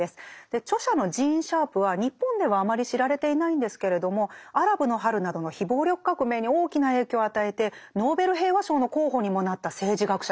著者のジーン・シャープは日本ではあまり知られていないんですけれども「アラブの春」などの非暴力革命に大きな影響を与えてノーベル平和賞の候補にもなった政治学者なんです。